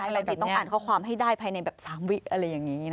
บางทีต้องอ่านข้อความให้ได้ภายในแบบ๓วิอะไรอย่างนี้